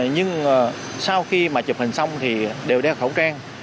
nhưng sau khi mà chụp hình xong thì đều đeo khẩu trang